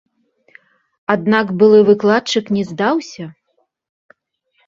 Аднак былы выкладчык не здаўся.